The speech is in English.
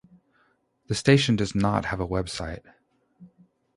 The station does not have a website.